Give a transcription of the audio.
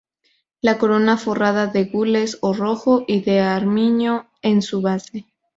La corona forrada de gules o rojo y de armiño en su base.